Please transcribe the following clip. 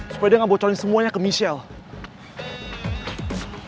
supaya dia gak bocalin semuanya ke michelle